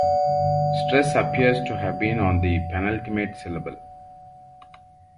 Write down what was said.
Stress appears to have been on the penultimate syllable.